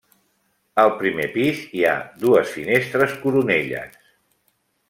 Al primer pis hi ha dues finestres coronelles.